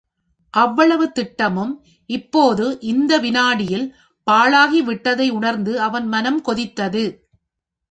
அவ்வளவு திட்டமும் இப்போது இந்த விநாடியில் பாழாகிவிட்டதை உணர்ந்து அவன் மனம் கொதித்தது.